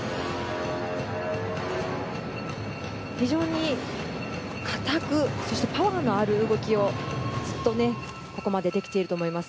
非常にパワーのある動きをずっとここまでできていると思います。